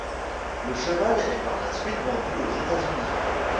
Le cheval est par la suite vendu aux États-Unis.